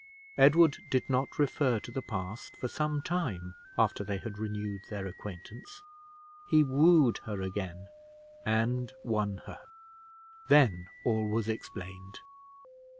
Edward did not refer to the past for some time after they had renewed their acquaintance. He wooed her again, and won her. Then all was explained.